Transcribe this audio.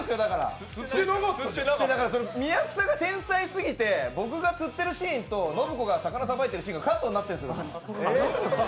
宮草が天才すぎて俺が釣ってるシーンと信子が魚さばいているシーンがカットになってるんです！